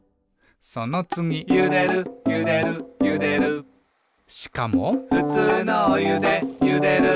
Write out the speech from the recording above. そのつぎ「ゆでるゆでるゆでる」しかも「ふつうのおゆでゆでる」